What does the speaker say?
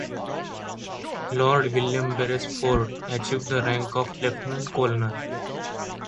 Lord William Beresford achieved the rank of lieutenant colonel.